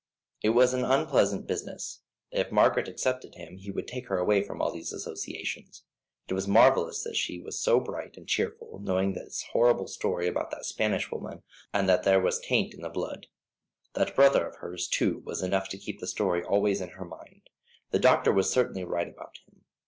It was an unpleasant business. If Margaret accepted him, he would take her away from all these associations. It was marvellous that she was so bright and cheerful, knowing this horrible story about that Spanish woman, and that there was a taint in the blood. That brother of hers, too, was enough to keep the story always in her mind. The doctor was certainly right about him.